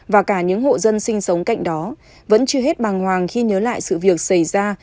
và cả những hộ dân sinh sống cạnh đó vẫn chưa hết bàng hoàng khi nhớ lại sự việc xảy ra